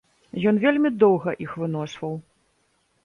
Ён вельмі доўга іх выношваў.